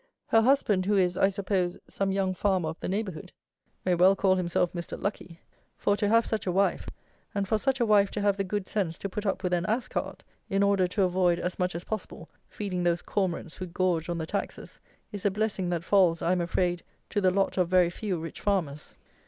Her husband, who is, I suppose, some young farmer of the neighbourhood, may well call himself Mr. Lucky; for to have such a wife, and for such a wife to have the good sense to put up with an ass cart, in order to avoid, as much as possible, feeding those cormorants who gorge on the taxes, is a blessing that falls, I am afraid, to the lot of very few rich farmers.